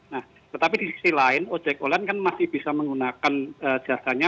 nah tetapi di sisi lain ojek online kan masih bisa menggunakan jasanya